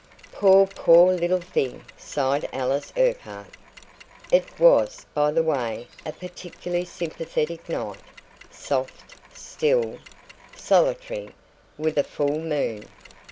"Poor, poor little thing!" sighed Alice Urquhart. It was, by the way, a particularly sympathetic night soft, still, solitary, with a full moon.